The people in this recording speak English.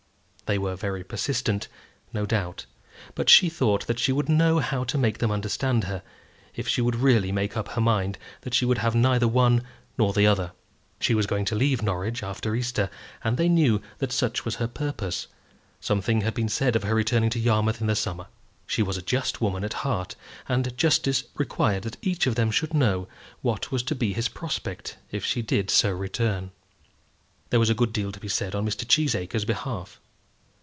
They were very persistent, no doubt; but she thought that she would know how to make them understand her, if she should really make up her mind that she would have neither one nor the other. She was going to leave Norwich after Easter, and they knew that such was her purpose. Something had been said of her returning to Yarmouth in the summer. She was a just woman at heart, and justice required that each of them should know what was to be his prospect if she did so return. There was a good deal to be said on Mr. Cheesacre's behalf.